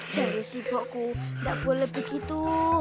coba sibukku gak boleh begitu